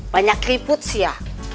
banyak keriput sih ya